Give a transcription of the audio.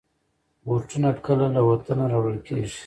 بوټونه کله له وطنه راوړل کېږي.